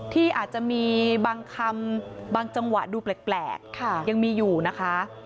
ที่อาจจะมีบางคำบางจังหวะดูแปลกยังมีอยู่นะคะ